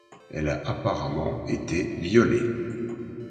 Elle a apparemment été violée.